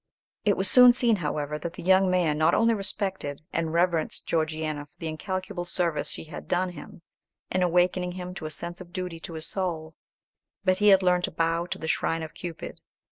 It was soon seen, however, that the young man not only respected and reverenced Georgiana for the incalculable service she had done him, in awakening him to a sense of duty to his soul, but he had learned to bow to the shrine of Cupid.